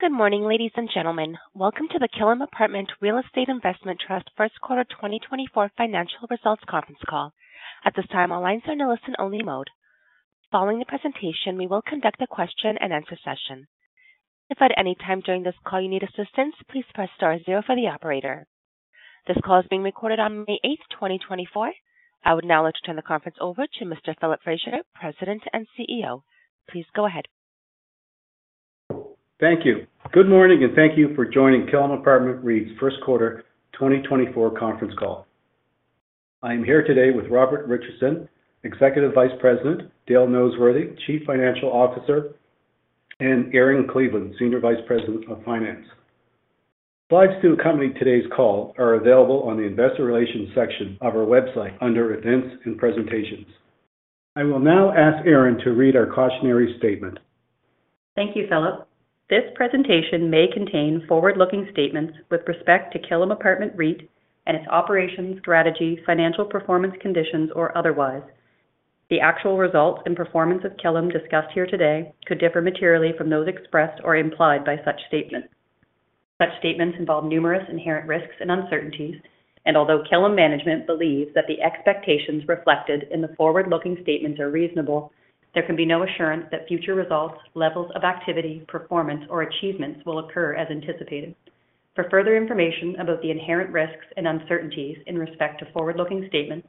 Good morning, ladies and gentlemen. Welcome to the Killam Apartment Real Estate Investment Trust First Quarter 2024 Financial Results Conference Call. At this time, our lines are in a listen-only mode. Following the presentation, we will conduct a Q&A session. If at any time during this call you need assistance, please press star zero for the operator. This call is being recorded on May 8th, 2024. I would now like to turn the conference over to Mr. Philip Fraser, President and CEO. Please go ahead. Thank you. Good morning, and thank you for joining Killam Apartment REIT's First Quarter 2024 Conference Call. I am here today with Robert Richardson, Executive Vice President, Dale Noseworthy, Chief Financial Officer, and Erin Cleveland, Senior Vice President of Finance. Slides to accompany today's call are available on the Investor Relations section of our website under Events and Presentations. I will now ask Erin to read our cautionary statement. Thank you, Philip. This presentation may contain forward-looking statements with respect to Killam Apartment REIT and its operations, strategy, financial performance conditions, or otherwise. The actual results and performance of Killam discussed here today could differ materially from those expressed or implied by such statements. Such statements involve numerous inherent risks and uncertainties, and although Killam management believes that the expectations reflected in the forward-looking statements are reasonable, there can be no assurance that future results, levels of activity, performance, or achievements will occur as anticipated. For further information about the inherent risks and uncertainties in respect to forward-looking statements,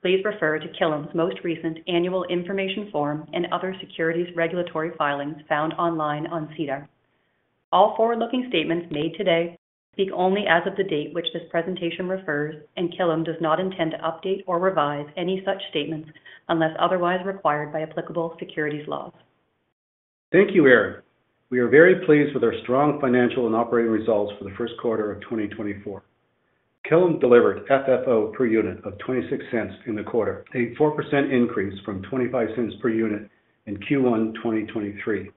please refer to Killam's most recent annual information form and other securities regulatory filings found online on SEDAR. All forward-looking statements made today speak only as of the date which this presentation refers, and Killam does not intend to update or revise any such statements unless otherwise required by applicable securities laws. Thank you, Erin. We are very pleased with our strong financial and operating results for the first quarter of 2024. Killam delivered FFO per unit of 0.26 in the quarter, a 4% increase from 0.25 per unit in Q1 2023.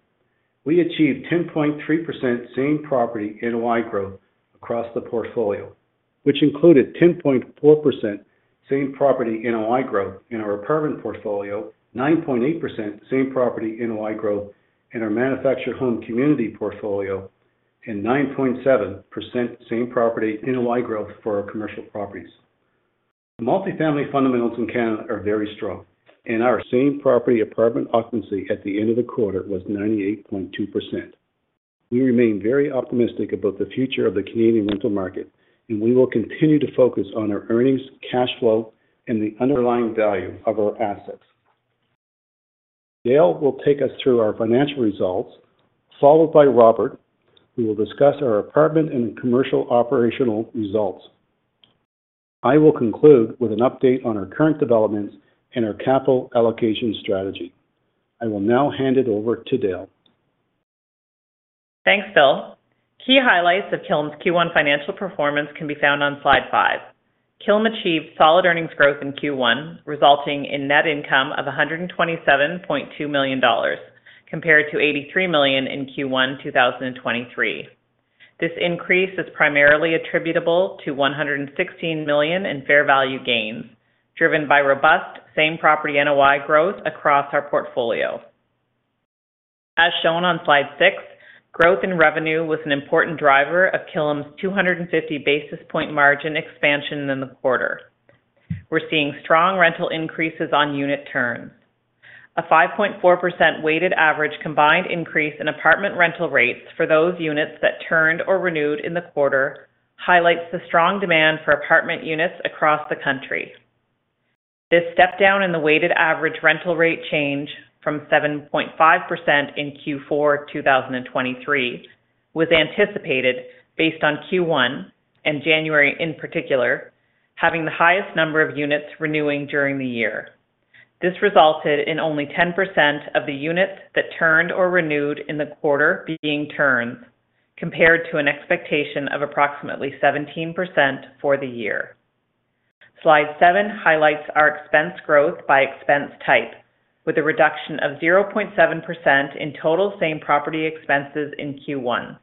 We achieved 10.3% same property NOI growth across the portfolio, which included 10.4% same property NOI growth in our apartment portfolio, 9.8% same property NOI growth in our manufactured home community portfolio, and 9.7% same property NOI growth for our commercial properties. Multifamily fundamentals in Canada are very strong, and our same property apartment occupancy at the end of the quarter was 98.2%. We remain very optimistic about the future of the Canadian rental market, and we will continue to focus on our earnings, cash flow, and the underlying value of our assets. Dale will take us through our financial results, followed by Robert, who will discuss our apartment and commercial operational results. I will conclude with an update on our current developments and our capital allocation strategy. I will now hand it over to Dale. Thanks, Phil. Key highlights of Killam's Q1 financial performance can be found on slide 5. Killam achieved solid earnings growth in Q1, resulting in net income of 127.2 million dollars compared to 83 million in Q1 2023. This increase is primarily attributable to 116 million in fair value gains, driven by robust same property NOI growth across our portfolio. As shown on slide 6, growth in revenue was an important driver of Killam's 250 basis point margin expansion in the quarter. We're seeing strong rental increases on unit turns. A 5.4% weighted average combined increase in apartment rental rates for those units that turned or renewed in the quarter highlights the strong demand for apartment units across the country. This step-down in the weighted average rental rate change from 7.5% in Q4 2023 was anticipated based on Q1 and January in particular, having the highest number of units renewing during the year. This resulted in only 10% of the units that turned or renewed in the quarter being turns, compared to an expectation of approximately 17% for the year. Slide 7 highlights our expense growth by expense type, with a reduction of 0.7% in total same property expenses in Q1.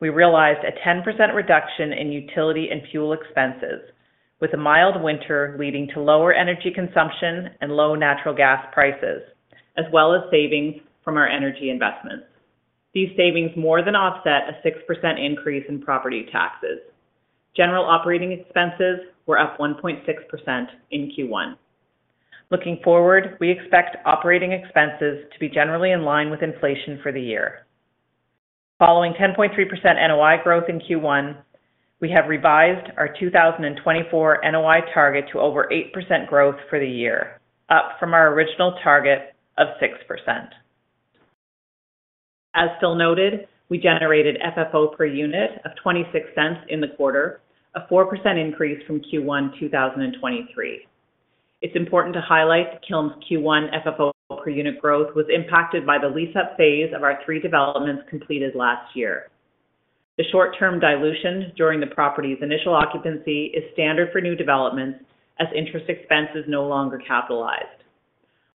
We realized a 10% reduction in utility and fuel expenses, with a mild winter leading to lower energy consumption and low natural gas prices, as well as savings from our energy investments. These savings more than offset a 6% increase in property taxes. General operating expenses were up 1.6% in Q1. Looking forward, we expect operating expenses to be generally in line with inflation for the year. Following 10.3% NOI growth in Q1, we have revised our 2024 NOI target to over 8% growth for the year, up from our original target of 6%. As Phil noted, we generated FFO per unit of 0.26 in the quarter, a 4% increase from Q1 2023. It's important to highlight that Killam's Q1 FFO per unit growth was impacted by the lease-up phase of our three developments completed last year. The short-term dilution during the property's initial occupancy is standard for new developments as interest expense is no longer capitalized.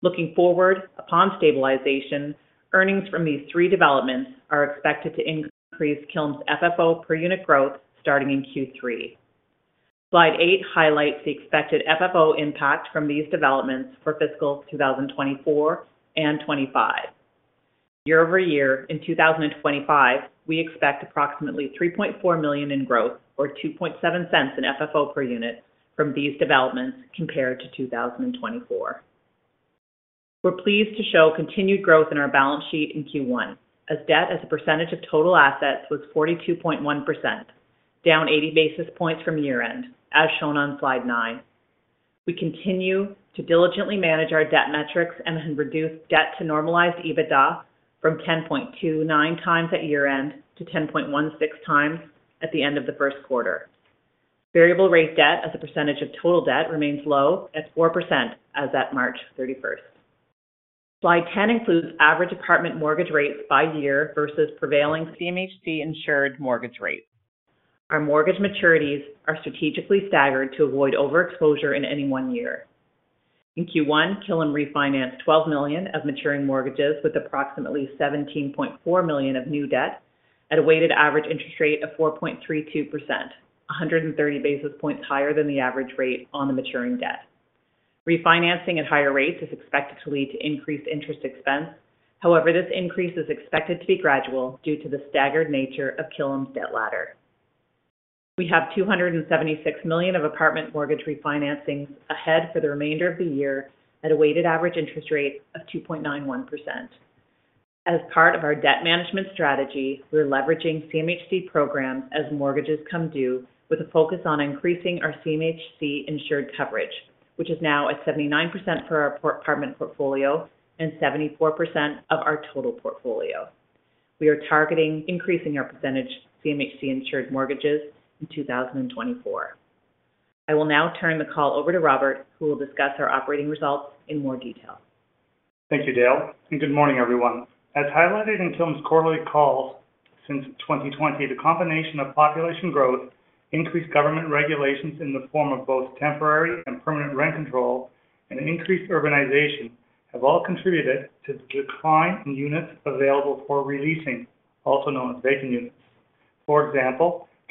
Looking forward, upon stabilization, earnings from these three developments are expected to increase Killam's FFO per unit growth starting in Q3. Slide 8 highlights the expected FFO impact from these developments for fiscal 2024 and 2025. Year-over-year, in 2025, we expect approximately 3.4 million in growth, or 0.027 in FFO per unit, from these developments compared to 2024. We're pleased to show continued growth in our balance sheet in Q1, as debt as a percentage of total assets was 42.1%, down 80 basis points from year-end, as shown on slide 9. We continue to diligently manage our debt metrics and reduce debt to normalized EBITDA from 10.29x at year-end to 10.16x at the end of the first quarter. Variable rate debt as a percentage of total debt remains low at 4% as at March 31st. Slide 10 includes average apartment mortgage rates by year versus prevailing CMHC-insured mortgage rates. Our mortgage maturities are strategically staggered to avoid overexposure in any one year. In Q1, Killam refinanced 12 million of maturing mortgages with approximately 17.4 million of new debt at a weighted average interest rate of 4.32%, 130 basis points higher than the average rate on the maturing debt. Refinancing at higher rates is expected to lead to increased interest expense, however, this increase is expected to be gradual due to the staggered nature of Killam's debt ladder. We have 276 million of apartment mortgage refinancings ahead for the remainder of the year at a weighted average interest rate of 2.91%. As part of our debt management strategy, we're leveraging CMHC programs as mortgages come due, with a focus on increasing our CMHC-insured coverage, which is now at 79% for our apartment portfolio and 74% of our total portfolio. We are targeting increasing our percentage CMHC-insured mortgages in 2024. I will now turn the call over to Robert, who will discuss our operating results in more detail. Thank you, Dale. And good morning, everyone. As highlighted in Killam's quarterly calls since 2020, the combination of population growth, increased government regulations in the form of both temporary and permanent rent control, and increased urbanization have all contributed to the decline in units available for re-leasing, also known as vacant units.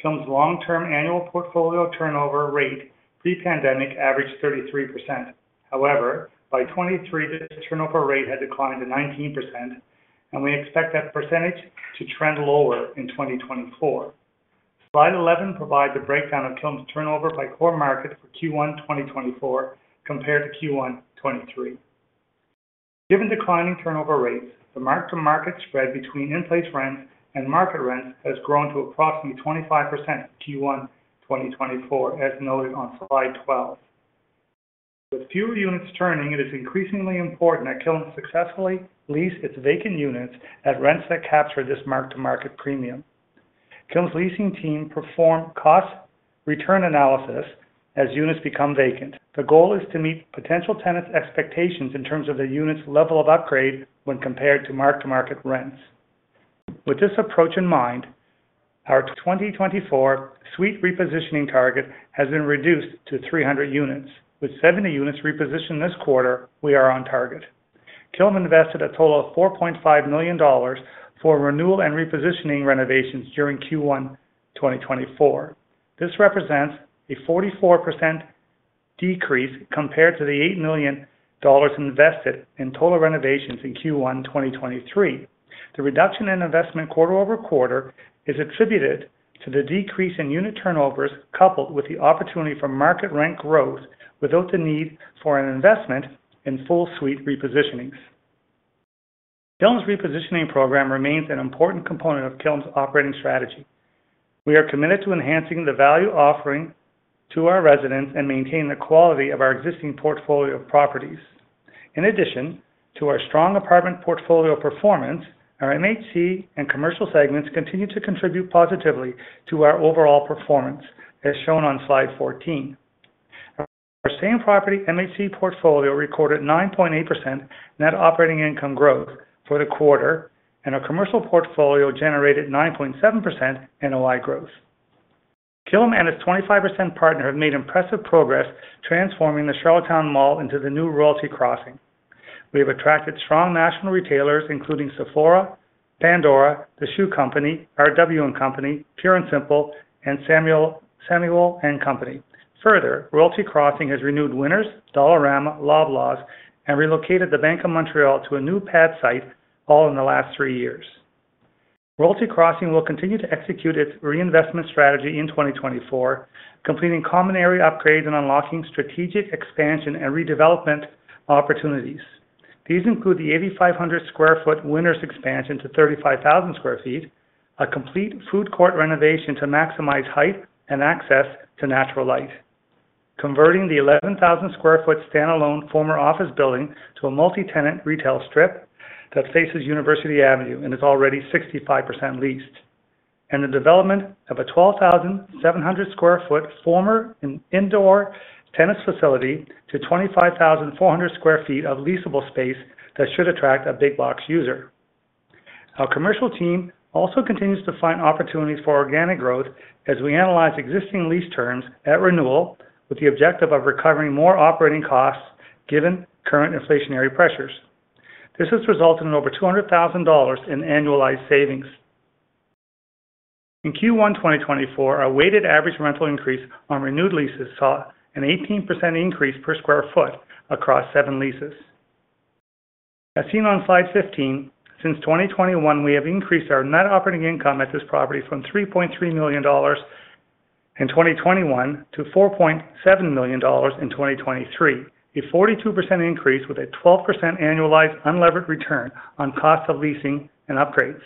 For example, Killam's long-term annual portfolio turnover rate pre-pandemic averaged 33%. However, by 2023, this turnover rate had declined to 19%, and we expect that percentage to trend lower in 2024. Slide 11 provides a breakdown of Killam's turnover by core market for Q1 2024 compared to Q1 2023. Given declining turnover rates, the mark-to-market spread between in-place rents and market rents has grown to approximately 25% for Q1 2024, as noted on slide 12. With fewer units turning, it is increasingly important that Killam successfully lease its vacant units at rents that capture this mark-to-market premium. Killam's leasing team perform cost-return analysis as units become vacant. The goal is to meet potential tenants' expectations in terms of the unit's level of upgrade when compared to mark-to-market rents. With this approach in mind, our 2024 suite repositioning target has been reduced to 300 units. With 70 units repositioned this quarter, we are on target. Killam invested a total of 4.5 million dollars for renewal and repositioning renovations during Q1 2024. This represents a 44% decrease compared to the 8 million dollars invested in total renovations in Q1 2023. The reduction in investment quarter-over-quarter is attributed to the decrease in unit turnovers coupled with the opportunity for market rent growth without the need for an investment in full suite repositionings. Killam's repositioning program remains an important component of Killam's operating strategy. We are committed to enhancing the value offering to our residents and maintaining the quality of our existing portfolio of properties. In addition to our strong apartment portfolio performance, our MHC and commercial segments continue to contribute positively to our overall performance, as shown on slide 14. Our same property MHC portfolio recorded 9.8% net operating income growth for the quarter, and our commercial portfolio generated 9.7% NOI growth. Killam and its 25% partner have made impressive progress transforming the Charlottetown Mall into the new Royalty Crossing. We have attracted strong national retailers, including Sephora, Pandora, The Shoe Company, RW & Company, Pür & Simple, and Samuel & Company. Further, Royalty Crossing has renewed Winners, Dollarama, Loblaws, and relocated the Bank of Montreal to a new pad site all in the last three years. Royalty Crossing will continue to execute its reinvestment strategy in 2024, completing common area upgrades and unlocking strategic expansion and redevelopment opportunities. These include the 8,500 sq ft Winners expansion to 35,000 sq ft, a complete food court renovation to maximize height and access to natural light, converting the 11,000 sq ft standalone former office building to a multi-tenant retail strip that faces University Avenue and is already 65% leased, and the development of a 12,700 sq ft former indoor tennis facility to 25,400 sq ft of leasable space that should attract a big box user. Our commercial team also continues to find opportunities for organic growth as we analyze existing lease terms at renewal with the objective of recovering more operating costs given current inflationary pressures. This has resulted in over 200,000 dollars in annualized savings. In Q1 2024, our weighted average rental increase on renewed leases saw an 18% increase per sq ft across seven leases. As seen on slide 15, since 2021, we have increased our net operating income at this property from 3.3 million dollars in 2021 to 4.7 million dollars in 2023, a 42% increase with a 12% annualized unlevered return on cost of leasing and upgrades.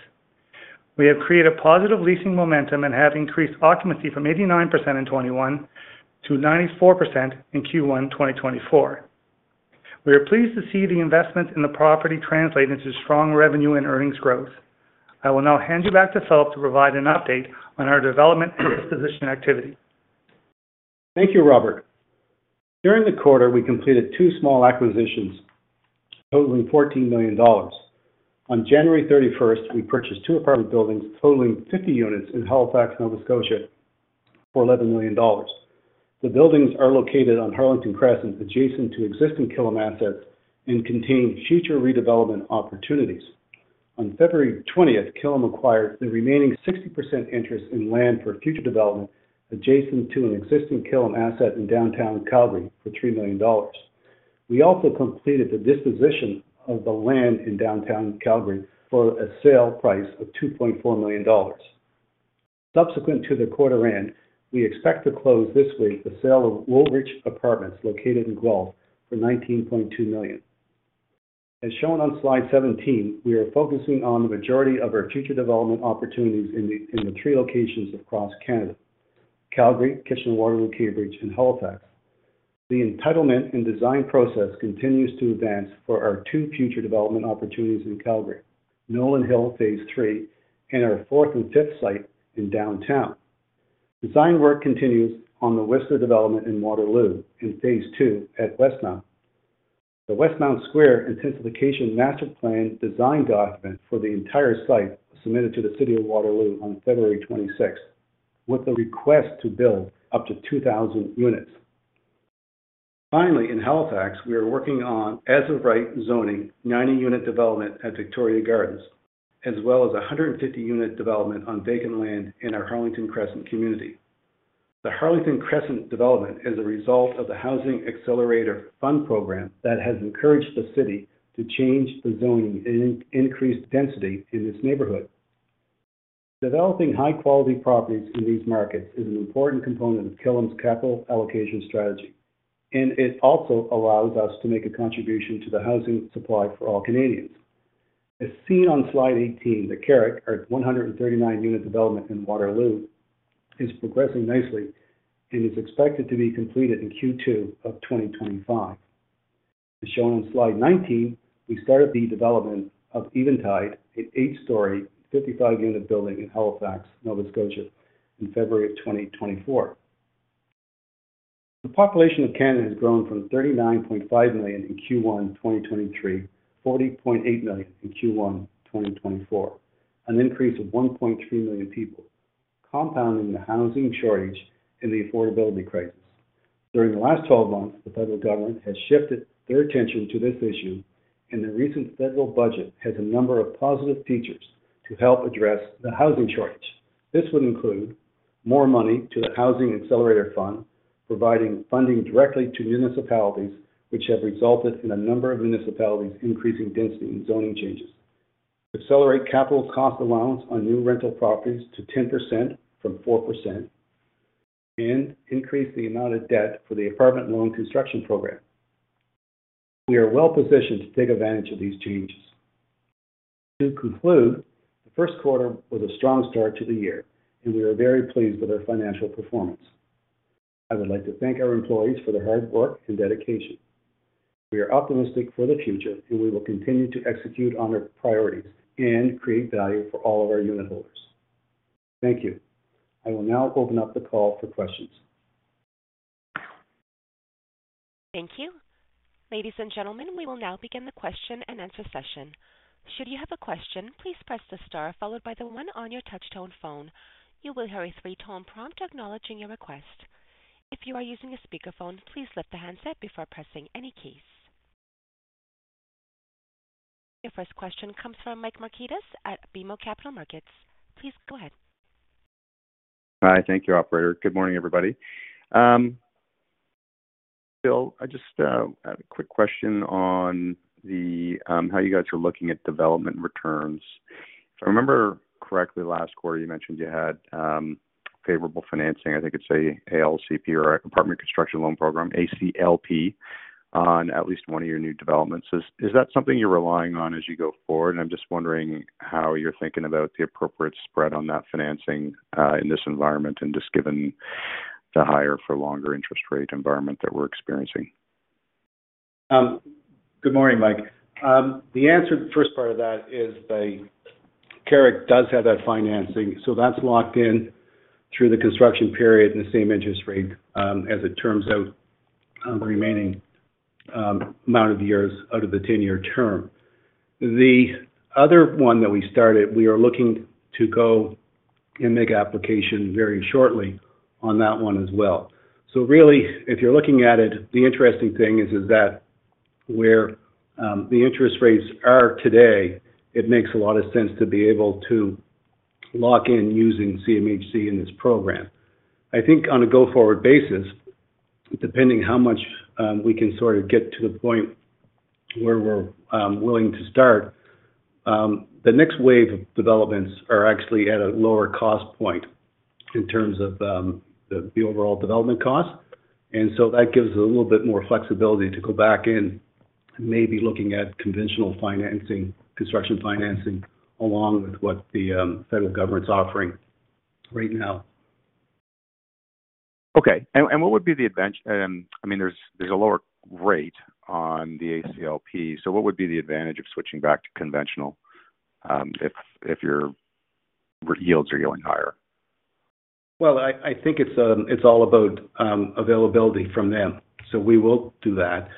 We have created positive leasing momentum and have increased occupancy from 89% in 2021 to 94% in Q1 2024. We are pleased to see the investments in the property translate into strong revenue and earnings growth. I will now hand you back to Philip to provide an update on our development and disposition activity. Thank you, Robert. During the quarter, we completed two small acquisitions totaling 14 million dollars. On January 31st, we purchased two apartment buildings totaling 50 units in Halifax, Nova Scotia, for 11 million dollars. The buildings are located on Harlington Crescent adjacent to existing Killam assets and contain future redevelopment opportunities. On February 20th, Killam acquired the remaining 60% interest in land for future development adjacent to an existing Killam asset in downtown Calgary for 3 million dollars. We also completed the disposition of the land in downtown Calgary for a sale price of 2.4 million dollars. Subsequent to the quarter-end, we expect to close this week the sale of Woolwich Apartments located in Guelph for 19.2 million. As shown on slide 17, we are focusing on the majority of our future development opportunities in the three locations across Canada: Calgary, Kitchener Waterloo, Cambridge, and Halifax. The entitlement and design process continues to advance for our two future development opportunities in Calgary: Nolan Hill, phase three, and our fourth and fifth site in downtown. Design work continues on the Wissler Development in Waterloo in phase two at Westmount Place. The Westmount Place Intensification Master Plan design document for the entire site was submitted to the City of Waterloo on February 26th with the request to build up to 2,000 units. Finally, in Halifax, we are working on as-of-right zoning, 90-unit development at Victoria Gardens, as well as 150-unit development on vacant land in our Harlington Crescent community. The Harlington Crescent development is a result of the Housing Accelerator Fund program that has encouraged the city to change the zoning and increase density in this neighborhood. Developing high-quality properties in these markets is an important component of Killam's capital allocation strategy, and it also allows us to make a contribution to the housing supply for all Canadians. As seen on slide 18, The Carrick, our 139-unit development in Waterloo, is progressing nicely and is expected to be completed in Q2 of 2025. As shown on slide 19, we started the development of Eventide, an 8-story, 55-unit building in Halifax, Nova Scotia, in February of 2024. The population of Canada has grown from 39.5 million in Q1 2023 to 40.8 million in Q1 2024, an increase of 1.3 million people, compounding the housing shortage and the affordability crisis. During the last 12 months, the federal government has shifted their attention to this issue, and the recent federal budget has a number of positive features to help address the housing shortage. This would include more money to the Housing Accelerator Fund, providing funding directly to municipalities, which have resulted in a number of municipalities increasing density and zoning changes, accelerate capital cost Allowance on new rental properties to 10% from 4%, and increase the amount of debt for the Apartment Construction Loan Program. We are well positioned to take advantage of these changes. To conclude, the first quarter was a strong start to the year, and we are very pleased with our financial performance. I would like to thank our employees for their hard work and dedication. We are optimistic for the future, and we will continue to execute on our priorities and create value for all of our unit holders. Thank you. I will now open up the call for questions. Thank you. Ladies and gentlemen, we will now begin the Q&A session. Should you have a question, please press the star followed by the 1 on your touch-tone phone. You will hear a three-tone prompt acknowledging your request. If you are using a speakerphone, please lift the handset before pressing any keys. Your first question comes from Mike Markidis at BMO Capital Markets. Please go ahead. Hi. Thank you, operator. Good morning, everybody. Phil, I just had a quick question on how you guys are looking at development returns. If I remember correctly, last quarter you mentioned you had favorable financing. I think it's ACLP or Apartment Construction Loan Program, ACLP, on at least one of your new developments. Is that something you're relying on as you go forward? And I'm just wondering how you're thinking about the appropriate spread on that financing in this environment, and just given the higher-for-longer interest rate environment that we're experiencing. Good morning, Mike. The answer to the first part of that is The Carrick does have that financing, so that's locked in through the construction period and the same interest rate as it turns out the remaining amount of years out of the 10-year term. The other one that we started, we are looking to go and make application very shortly on that one as well. So really, if you're looking at it, the interesting thing is that where the interest rates are today, it makes a lot of sense to be able to lock in using CMHC in this program. I think on a go-forward basis, depending how much we can sort of get to the point where we're willing to start, the next wave of developments are actually at a lower cost point in terms of the overall development cost. And so that gives us a little bit more flexibility to go back in and maybe looking at conventional financing, construction financing, along with what the federal government's offering right now. Okay. And what would be the advantage? I mean, there's a lower rate on the ACLP. So what would be the advantage of switching back to conventional if your yields are going higher? Well, I think it's all about availability from them. So we will do that.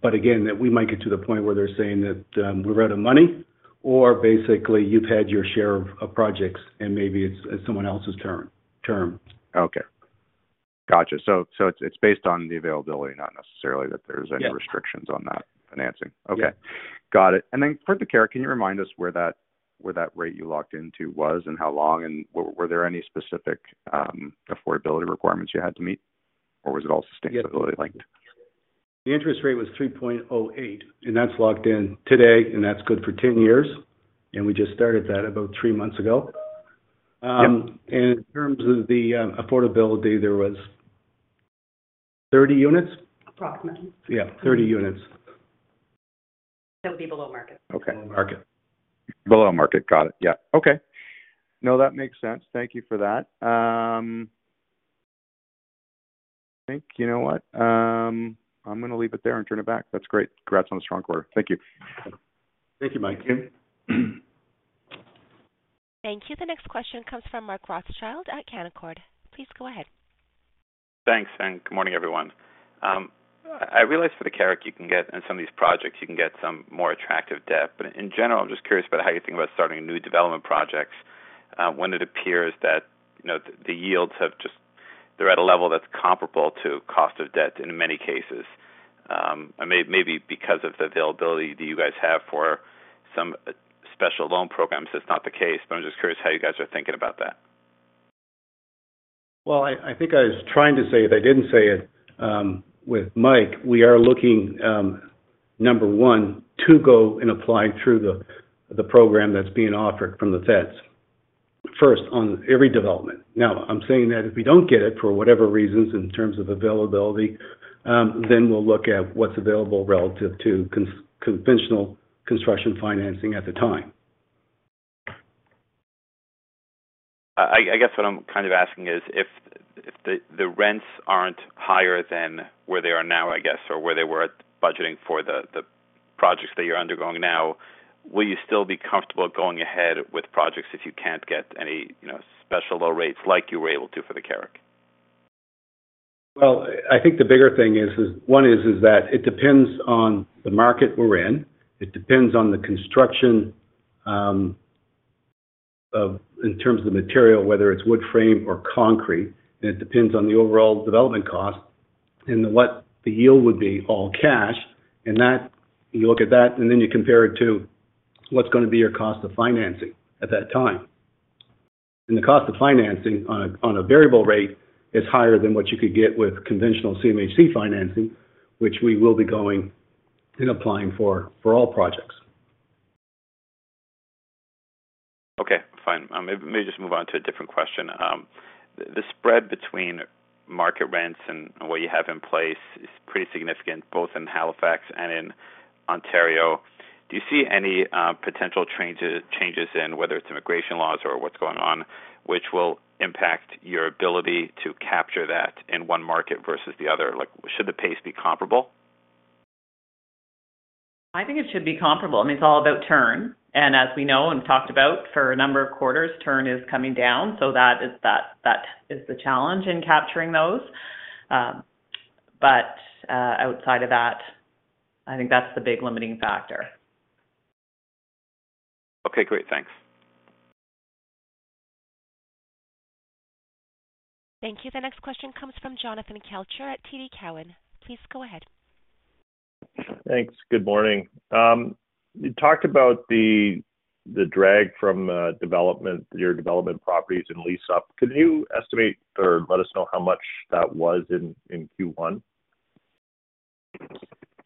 But again, we might get to the point where they're saying that we're out of money, or basically, you've had your share of projects, and maybe it's someone else's term. Okay. Gotcha. So it's based on the availability, not necessarily that there's any restrictions on that financing. Okay. Got it. And then for The Carrick, can you remind us where that rate you locked into was and how long? And were there any specific affordability requirements you had to meet, or was it all sustainability-linked? Yep. The interest rate was 3.08, and that's locked in today, and that's good for 10 years. We just started that about 3 months ago. In terms of the affordability, there was 30 units. Approximately. Yeah, 30 units. That would be below market. Okay. Below market. Got it. Yeah. Okay. No, that makes sense. Thank you for that. I think, you know what? I'm going to leave it there and turn it back. That's great. Congrats on the strong quarter. Thank you. Thank you, Mike. Thank you. The next question comes from Mark Rothschild at Canaccord. Please go ahead. Thanks, and good morning, everyone. I realize for The Carrick, you can get in some of these projects, you can get some more attractive debt. But in general, I'm just curious about how you think about starting new development projects when it appears that the yields have just they're at a level that's comparable to cost of debt in many cases. And maybe because of the availability that you guys have for some special loan programs, that's not the case. But I'm just curious how you guys are thinking about that. Well, I think I was trying to say - they didn't say it with Mike - we are looking, number one, to go and apply through the program that's being offered from the Feds, first, on every development. Now, I'm saying that if we don't get it for whatever reasons in terms of availability, then we'll look at what's available relative to conventional construction financing at the time. I guess what I'm kind of asking is if the rents aren't higher than where they are now, I guess, or where they were at budgeting for the projects that you're undergoing now, will you still be comfortable going ahead with projects if you can't get any special low rates like you were able to for the Carrick? Well, I think the bigger thing is one is that it depends on the market we're in. It depends on the construction in terms of the material, whether it's wood frame or concrete. And it depends on the overall development cost and what the yield would be all cash. And you look at that, and then you compare it to what's going to be your cost of financing at that time. And the cost of financing on a variable rate is higher than what you could get with conventional CMHC financing, which we will be going and applying for all projects. Okay. Fine. Maybe just move on to a different question. The spread between market rents and what you have in place is pretty significant, both in Halifax and in Ontario. Do you see any potential changes in whether it's immigration laws or what's going on, which will impact your ability to capture that in one market versus the other? Should the pace be comparable? I think it should be comparable. I mean, it's all about turn. And as we know and talked about for a number of quarters, turn is coming down. So that is the challenge in capturing those. But outside of that, I think that's the big limiting factor. Okay. Great. Thanks. Thank you. The next question comes from Jonathan Kelcher at TD Cowen. Please go ahead. Thanks. Good morning. You talked about the drag from your development properties and lease up. Can you estimate or let us know how much that was in Q1?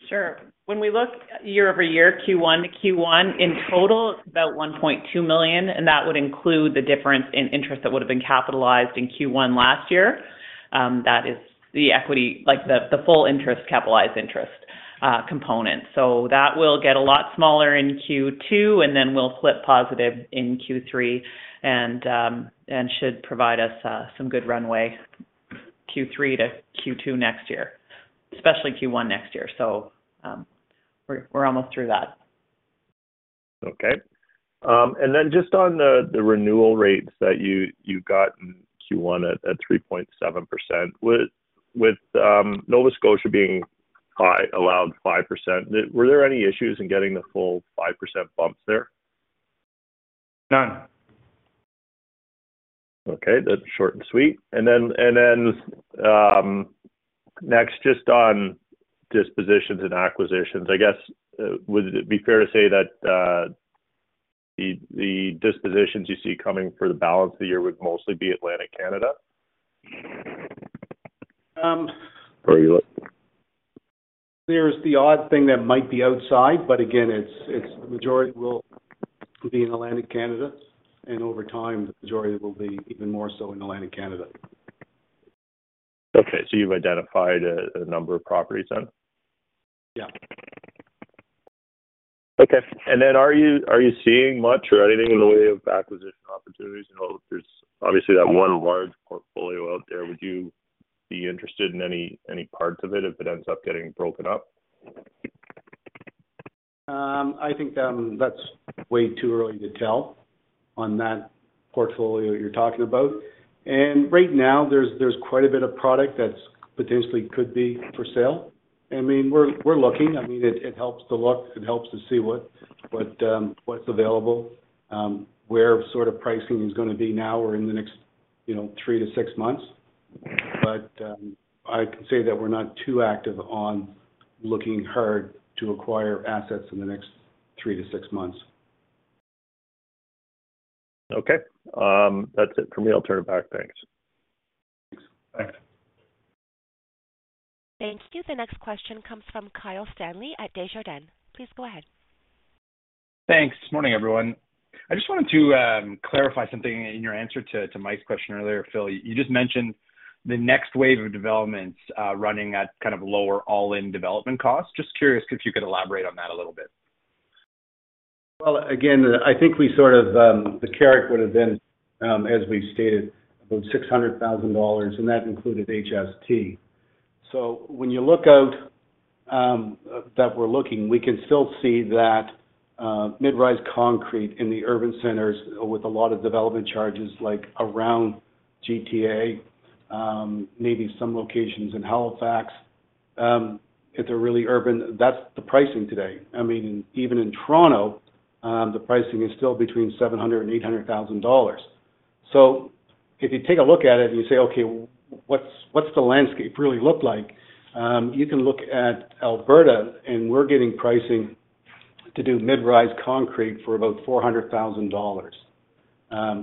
Sure. When we look year-over-year, Q1 to Q1, in total, it's about 1.2 million. That would include the difference in interest that would have been capitalized in Q1 last year. That is the equity, the full interest, capitalized interest component. So that will get a lot smaller in Q2, and then we'll flip positive in Q3 and should provide us some good runway Q3 to Q2 next year, especially Q1 next year. So we're almost through that. Okay. And then just on the renewal rates that you got in Q1 at 3.7%, with Nova Scotia being allowed 5%, were there any issues in getting the full 5% bumps there? None. Okay. That's short and sweet. And then next, just on dispositions and acquisitions, I guess, would it be fair to say that the dispositions you see coming for the balance of the year would mostly be Atlantic Canada? Or are you? There's the odd thing that might be outside, but again, the majority will be in Atlantic Canada. Over time, the majority will be even more so in Atlantic Canada. Okay. So you've identified a number of properties then? Yeah. Okay. And then are you seeing much or anything in the way of acquisition opportunities? I know there's obviously that one large portfolio out there. Would you be interested in any parts of it if it ends up getting broken up? I think that's way too early to tell on that portfolio that you're talking about. Right now, there's quite a bit of product that potentially could be for sale. I mean, we're looking. I mean, it helps to look. It helps to see what's available, where sort of pricing is going to be now or in the next 3-6 months. But I can say that we're not too active on looking hard to acquire assets in the next 3-6 months. Okay. That's it for me. I'll turn it back. Thanks. Thanks. Thanks. Thank you. The next question comes from Kyle Stanley at Desjardins. Please go ahead. Thanks. Morning, everyone. I just wanted to clarify something in your answer to Mike's question earlier, Phil. You just mentioned the next wave of developments running at kind of lower all-in development costs. Just curious if you could elaborate on that a little bit. Well, again, I think we sort of The Carrick would have been, as we've stated, about 600,000 dollars, and that included HST. So when you look out that we're looking, we can still see that mid-rise concrete in the urban centers with a lot of development charges around GTA, maybe some locations in Halifax, if they're really urban, that's the pricing today. I mean, even in Toronto, the pricing is still between 700,000 and 800,000 dollars. So if you take a look at it and you say, "Okay, what's the landscape really look like?" You can look at Alberta, and we're getting pricing to do mid-rise concrete for about 400,000 dollars.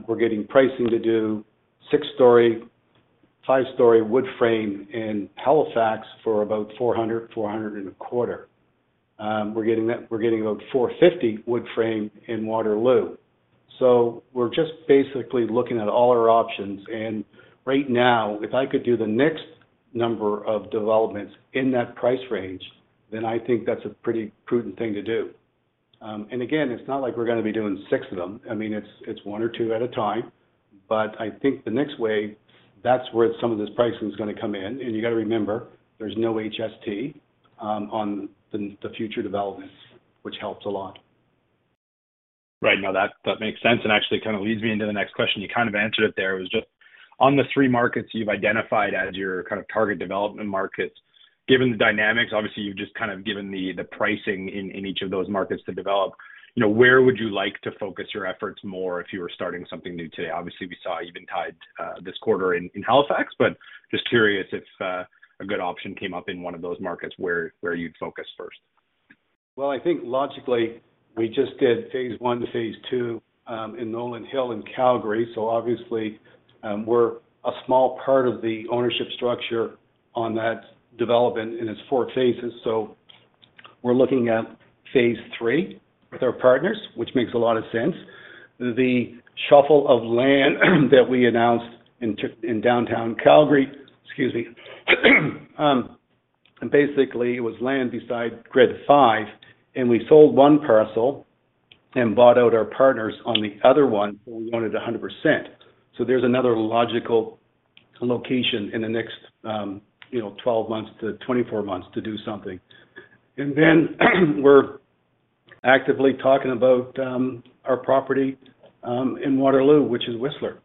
We're getting pricing to do six-story, five-story wood frame in Halifax for about 400,000 in the quarter. We're getting about 450,000 wood frame in Waterloo. So we're just basically looking at all our options. Right now, if I could do the next number of developments in that price range, then I think that's a pretty prudent thing to do. Again, it's not like we're going to be doing six of them. I mean, it's one or two at a time. I think the next wave, that's where some of this pricing is going to come in. You got to remember, there's no HST on the future developments, which helps a lot. Right. No, that makes sense. Actually, it kind of leads me into the next question. You kind of answered it there. It was just on the three markets you've identified as your kind of target development markets, given the dynamics, obviously, you've just kind of given the pricing in each of those markets to develop. Where would you like to focus your efforts more if you were starting something new today? Obviously, we saw Eventide this quarter in Halifax, but just curious if a good option came up in one of those markets, where you'd focus first. Well, I think logically, we just did phase one to phase two in Nolan Hill and Calgary. So obviously, we're a small part of the ownership structure on that development in its four phases. So we're looking at phase three with our partners, which makes a lot of sense. The shuffle of land that we announced in downtown Calgary, excuse me, basically, it was land beside Grid 5. And we sold one parcel and bought out our partners on the other one, so we own it 100%. So there's another logical location in the next 12 months to 24 months to do something. And then we're actively talking about our property in Waterloo, which is Wissler.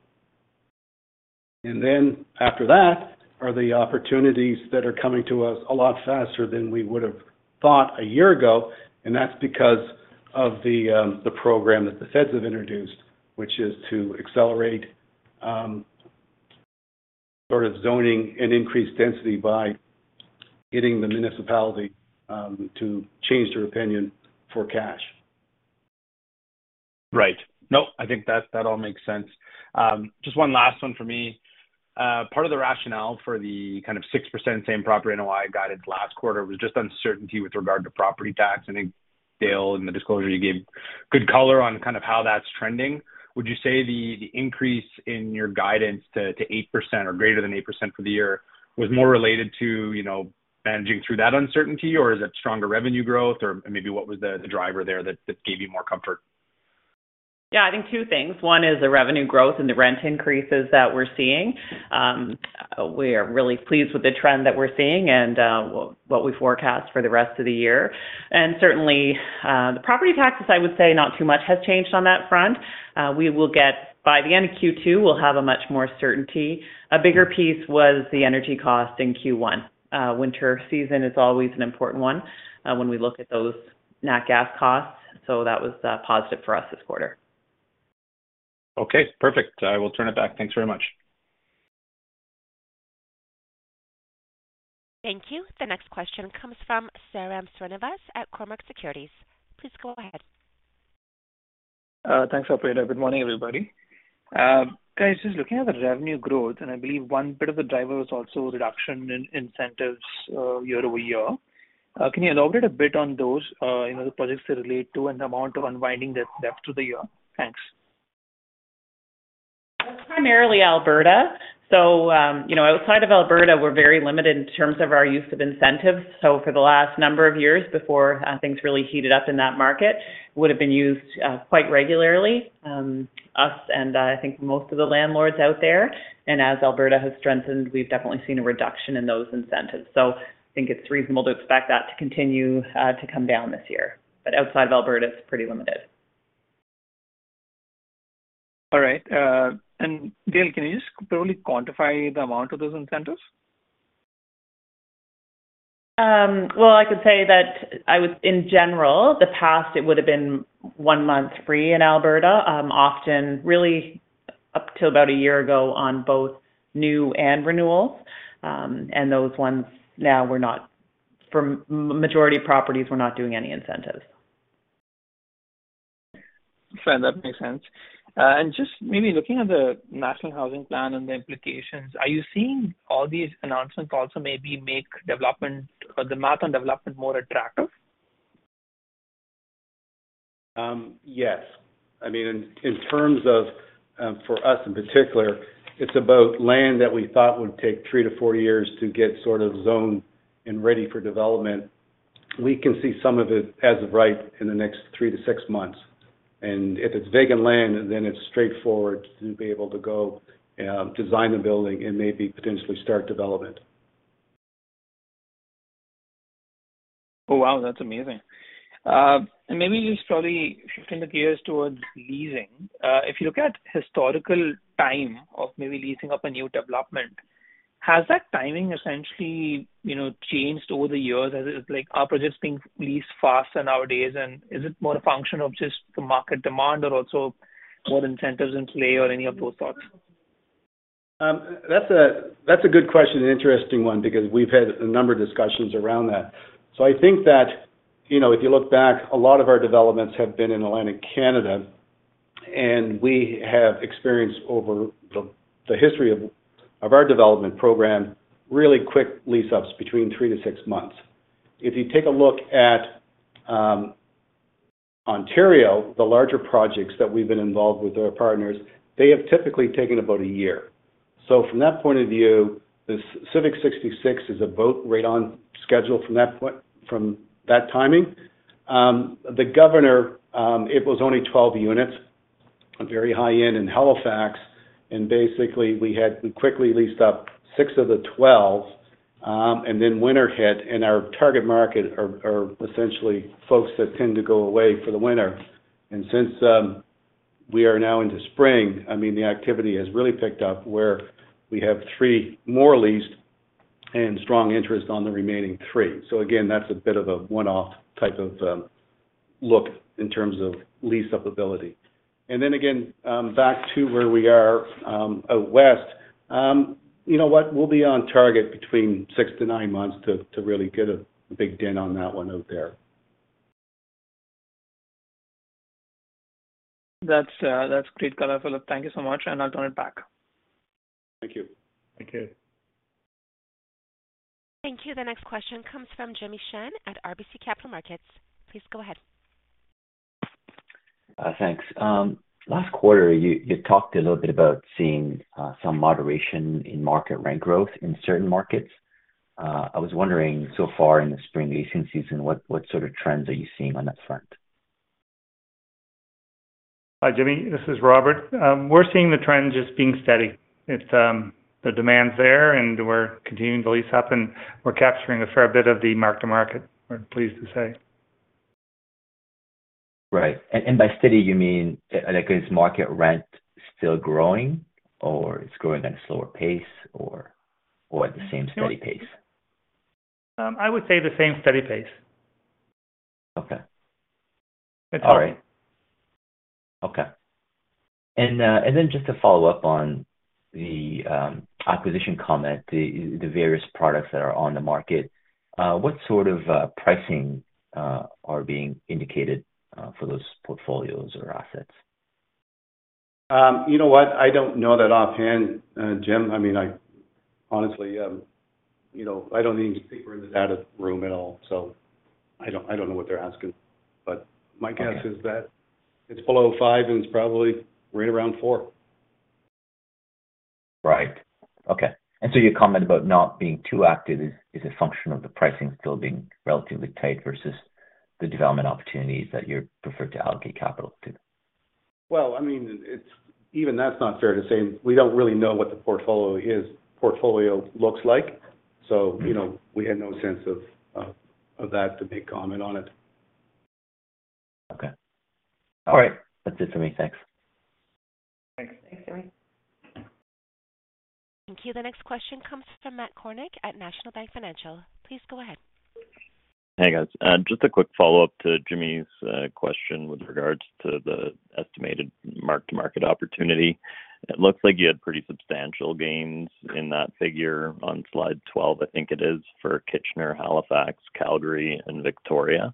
And then after that are the opportunities that are coming to us a lot faster than we would have thought a year ago. That's because of the program that the Feds have introduced, which is to accelerate sort of zoning and increase density by getting the municipality to change their opinion for cash. Right. Nope. I think that all makes sense. Just one last one for me. Part of the rationale for the kind of 6% same property NOI guidance last quarter was just uncertainty with regard to property tax. I think Dale in the disclosure you gave good color on kind of how that's trending. Would you say the increase in your guidance to 8% or greater than 8% for the year was more related to managing through that uncertainty, or is it stronger revenue growth? Or maybe what was the driver there that gave you more comfort? Yeah. I think two things. One is the revenue growth and the rent increases that we're seeing. We are really pleased with the trend that we're seeing and what we forecast for the rest of the year. And certainly, the property taxes, I would say not too much has changed on that front. By the end of Q2, we'll have a much more certainty. A bigger piece was the energy cost in Q1. Winter season is always an important one when we look at those natural gas costs. So that was positive for us this quarter. Okay. Perfect. I will turn it back. Thanks very much. Thank you. The next question comes from Sairam Srinivas at Cormark Securities. Please go ahead. Thanks, operator. Good morning, everybody. Guys, just looking at the revenue growth, and I believe one bit of the driver was also reduction in incentives year-over-year. Can you elaborate a bit on those, the projects they relate to, and the amount of unwinding that's left through the year? Thanks. That's primarily Alberta. So outside of Alberta, we're very limited in terms of our use of incentives. So for the last number of years before things really heated up in that market, it would have been used quite regularly, us and I think most of the landlords out there. And as Alberta has strengthened, we've definitely seen a reduction in those incentives. So I think it's reasonable to expect that to continue to come down this year. But outside of Alberta, it's pretty limited. All right. Dale, can you just probably quantify the amount of those incentives? Well, I could say that in general, in the past, it would have been one month free in Alberta, often really up till about a year ago on both new and renewals. And those ones now, for the majority properties, we're not doing any incentives. Fair. That makes sense. Just maybe looking at the national housing plan and the implications, are you seeing all these announcements also maybe make the math on development more attractive? Yes. I mean, in terms of for us in particular, it's about land that we thought would take 3-4 years to get sort of zoned and ready for development. We can see some of it as of right in the next 3-6 months. If it's vacant land, then it's straightforward to be able to go design the building and maybe potentially start development. Oh, wow. That's amazing. And maybe just probably shifting the gears towards leasing. If you look at the historical time of maybe leasing up a new development, has that timing essentially changed over the years? Are projects being leased faster nowadays? And is it more a function of just the market demand or also more incentives in play or any of those thoughts? That's a good question and interesting one because we've had a number of discussions around that. So I think that if you look back, a lot of our developments have been in Atlantic Canada. And we have experienced over the history of our development program really quick lease-ups between 3-6 months. If you take a look at Ontario, the larger projects that we've been involved with our partners, they have typically taken about a year. So from that point of view, the Civic 66 is right on schedule from that timing. The Governor, it was only 12 units, very high-end in Halifax. And basically, we quickly leased up 6 of the 12. And then winter hit. And our target market are essentially folks that tend to go away for the winter. Since we are now into spring, I mean, the activity has really picked up where we have 3 more leased and strong interest on the remaining 3. Again, that's a bit of a one-off type of look in terms of lease-up ability. Then again, back to where we are out west, you know what? We'll be on target between 6-9 months to really get a big dent on that one out there. That's great color, Philip. Thank you so much. I'll turn it back. Thank you. Thank you. Thank you. The next question comes from Jimmy Shan at RBC Capital Markets. Please go ahead. Thanks. Last quarter, you talked a little bit about seeing some moderation in market rent growth in certain markets. I was wondering, so far in the spring leasing season, what sort of trends are you seeing on that front? Hi, Jimmy. This is Robert. We're seeing the trend just being steady. The demand's there, and we're continuing to lease up. We're capturing a fair bit of the mark-to-market, we're pleased to say. Right. And by steady, you mean is market rent still growing, or it's growing at a slower pace, or at the same steady pace? I would say the same steady pace. Okay. It's all right. All right. Okay. And then just to follow up on the acquisition comment, the various products that are on the market, what sort of pricing are being indicated for those portfolios or assets? You know what? I don't know that offhand, Jim. I mean, honestly, I don't even think we're in the data room at all. So I don't know what they're asking. But my guess is that it's below 5, and it's probably right around 4. Right. Okay. And so your comment about not being too active is a function of the pricing still being relatively tight versus the development opportunities that you prefer to allocate capital to? Well, I mean, even that's not fair to say. We don't really know what the portfolio looks like. So we had no sense of that to make comment on it. Okay. All right. That's it for me. Thanks. Thanks. Thanks, Jimmy. Thank you. The next question comes from Matt Kornack at National Bank Financial. Please go ahead. Hey, guys. Just a quick follow-up to Jimmy's question with regards to the estimated mark-to-market opportunity. It looks like you had pretty substantial gains in that figure on slide 12, I think it is, for Kitchener, Halifax, Calgary and Victoria.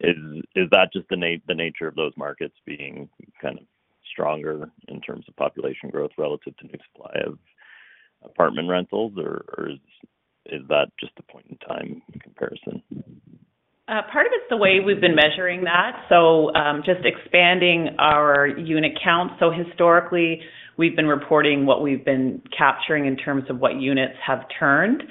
Is that just the nature of those markets being kind of stronger in terms of population growth relative to new supply of apartment rentals, or is that just a point-in-time comparison? Part of it's the way we've been measuring that. So just expanding our unit count. So historically, we've been reporting what we've been capturing in terms of what units have turned.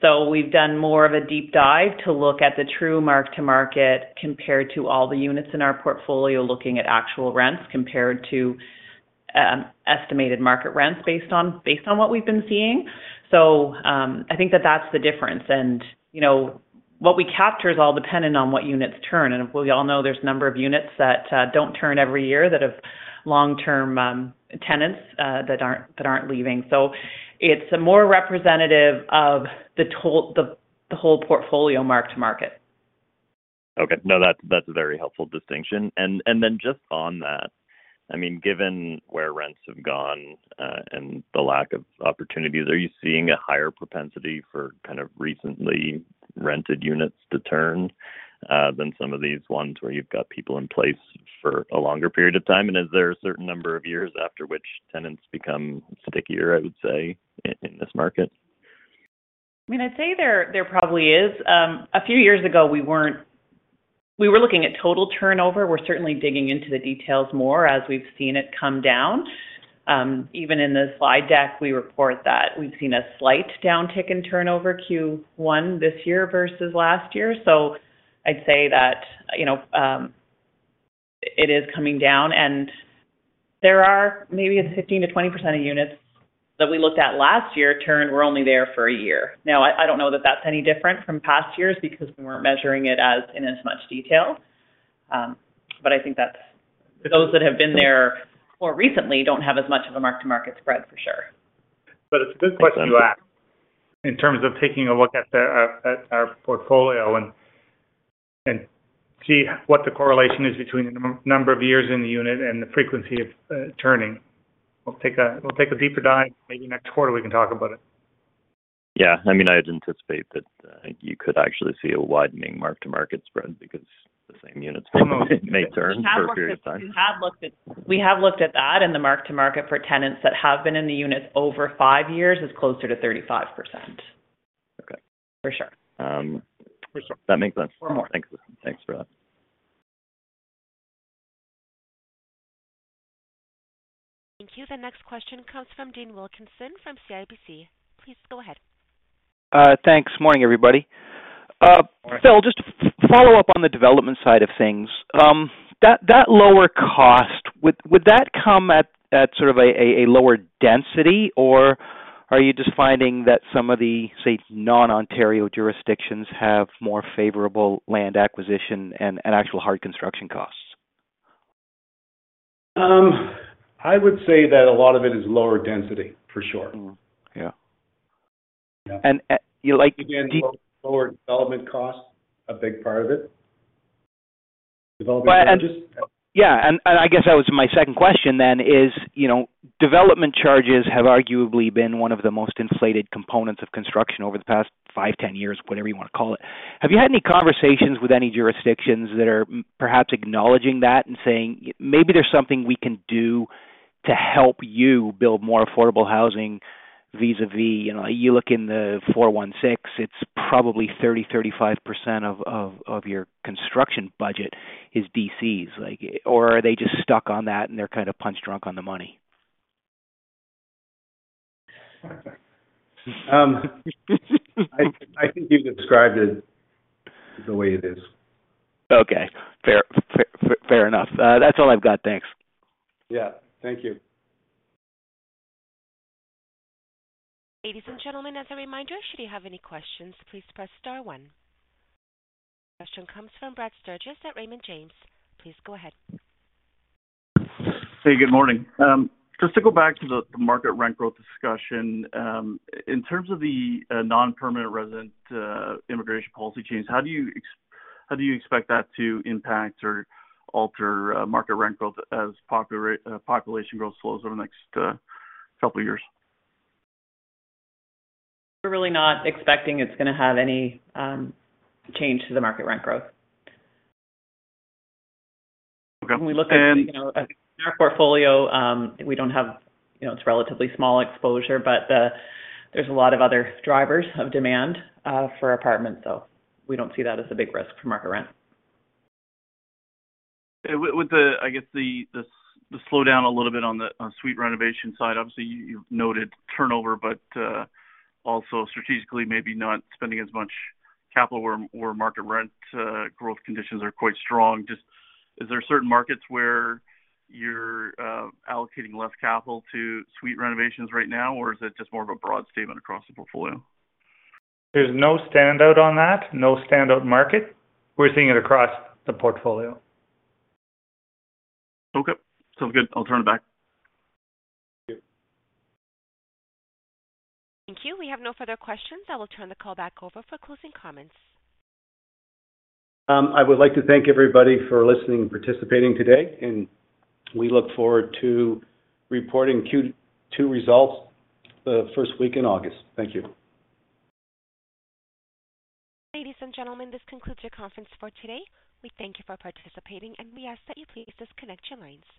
So we've done more of a deep dive to look at the true mark-to-market compared to all the units in our portfolio, looking at actual rents compared to estimated market rents based on what we've been seeing. So I think that that's the difference. And what we capture is all dependent on what units turn. And we all know there's a number of units that don't turn every year that have long-term tenants that aren't leaving. So it's more representative of the whole portfolio mark-to-market. Okay. No, that's a very helpful distinction. And then just on that, I mean, given where rents have gone and the lack of opportunities, are you seeing a higher propensity for kind of recently rented units to turn than some of these ones where you've got people in place for a longer period of time? And is there a certain number of years after which tenants become stickier, I would say, in this market? I mean, I'd say there probably is. A few years ago, we were looking at total turnover. We're certainly digging into the details more as we've seen it come down. Even in the slide deck, we report that we've seen a slight downtick in turnover Q1 this year versus last year. So I'd say that it is coming down. And maybe it's 15%-20% of units that we looked at last year turned. We're only there for a year. Now, I don't know that that's any different from past years because we weren't measuring it in as much detail. But I think those that have been there more recently don't have as much of a mark-to-market spread for sure. It's a good question to ask in terms of taking a look at our portfolio and see what the correlation is between the number of years in the unit and the frequency of turning. We'll take a deeper dive. Maybe next quarter, we can talk about it. Yeah. I mean, I'd anticipate that you could actually see a widening mark-to-market spread because the same units may turn for a period of time. We have looked at that. The mark-to-market for tenants that have been in the units over five years is closer to 35% for sure. That makes sense. Thanks for that. Thank you. The next question comes from Dean Wilkinson from CIBC. Please go ahead. Thanks. Morning, everybody. Phil, just to follow up on the development side of things, that lower cost, would that come at sort of a lower density, or are you just finding that some of the, say, non-Ontario jurisdictions have more favorable land acquisition and actual hard construction costs? I would say that a lot of it is lower density for sure. Yeah. And like Dean lower development cost, a big part of it. Development charges. Yeah. I guess that was my second question then is development charges have arguably been one of the most inflated components of construction over the past 5, 10 years, whatever you want to call it. Have you had any conversations with any jurisdictions that are perhaps acknowledging that and saying, "Maybe there's something we can do to help you build more affordable housing vis-à-vis you look in the 416. It's probably 30%-35% of your construction budget is DCs?" Or are they just stuck on that, and they're kind of punch-drunk on the money? I think you've described it the way it is. Okay. Fair enough. That's all I've got. Thanks. Yeah. Thank you. Ladies and gentlemen, as a reminder, should you have any questions, please press star one. Question comes from Brad Sturges at Raymond James. Please go ahead. Hey. Good morning. Just to go back to the market rent growth discussion, in terms of the non-permanent resident immigration policy change, how do you expect that to impact or alter market rent growth as population growth slows over the next couple of years? We're really not expecting it to have any change to the market rent growth. When we look at our portfolio, we don't have. It's relatively small exposure, but there's a lot of other drivers of demand for apartments. So we don't see that as a big risk for market rent. I guess the slowdown a little bit on the suite renovation side, obviously, you've noted turnover, but also strategically, maybe not spending as much capital, where market rent growth conditions are quite strong. Is there certain markets where you're allocating less capital to suite renovations right now, or is it just more of a broad statement across the portfolio? There's no standout on that, no standout market. We're seeing it across the portfolio. Okay. Sounds good. I'll turn it back. Thank you. Thank you. We have no further questions. I will turn the call back over for closing comments. I would like to thank everybody for listening and participating today. We look forward to reporting Q2 results the first week in August. Thank you. Ladies and gentlemen, this concludes our conference for today. We thank you for participating, and we ask that you please disconnect your lines.